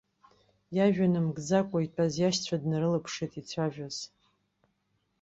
Иажәа намгӡакәа, итәаз иашьцәа днарылаԥшит ицәажәоз.